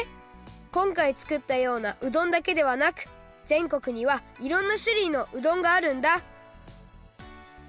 こんかい作ったようなうどんだけではなく全国にはいろんなしゅるいのうどんがあるんだ！